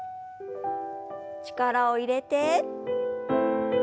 力を入れて。